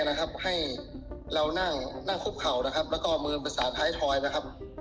นะครับให้เรานั่งนั่งคุกเข่านะครับแล้วก็มือภาษาไทยทอยนะครับ